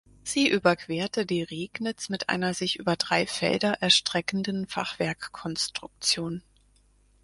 Sie überquerte die Regnitz mit einer sich über drei Felder erstreckenden Fachwerkkonstruktion.